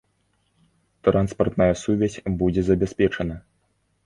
Транспартная сувязь будзе забяспечана.